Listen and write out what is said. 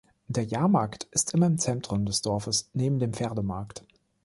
Der Jahrmarkt ist immer im Zentrum des Dorfes neben dem Pferdemarkt.